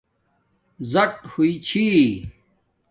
زُٹ ہوئ چھی